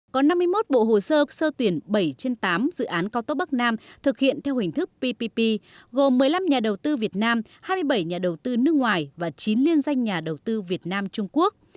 có năm mươi một bộ hồ sơ sơ tuyển bảy trên tám dự án cao tốc bắc nam thực hiện theo hình thức ppp gồm một mươi năm nhà đầu tư việt nam hai mươi bảy nhà đầu tư nước ngoài và chín liên danh nhà đầu tư việt nam trung quốc